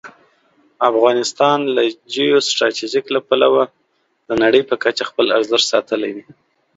افغانستان له جیو سټراټژيک پلوه د نړۍ په کچه خپل ارزښت ساتلی دی.